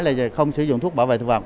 là không sử dụng thuốc bảo vệ thực vật